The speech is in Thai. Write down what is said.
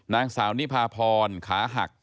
นางสาวนิพาพรขาหัก